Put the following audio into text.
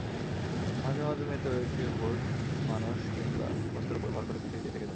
মাঝে মাঝে মৃত ব্যক্তির ভূত মানুষ কিংবা বস্তুর ওপর ভর করে পৃথিবীতেই থেকে যায়।